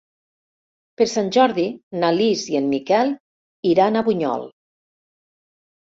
Per Sant Jordi na Lis i en Miquel iran a Bunyol.